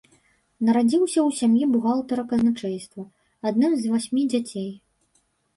Нарадзіўся ў сям'і бухгалтара казначэйства, адным з васьмі дзяцей.